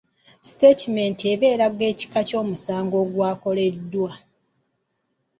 Sitaatimenti eba eraga ekika ky'omusango ogwakoleddwa.